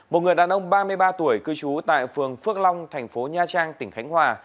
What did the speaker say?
một người đàn ông ba mươi ba tuổi cư trú tại phường phước long thành phố nha trang tỉnh khánh hòa